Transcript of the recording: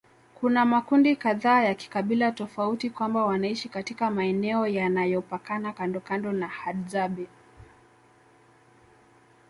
Kuna makundi kadhaa ya kikabila tofauti kwamba wanaishi katika maeneo yanayopakana kandokando na Hadzabe